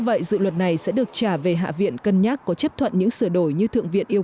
vậy dự luật này sẽ được trả về hạ viện cân nhắc có chấp thuận những sửa đổi như thượng viện yêu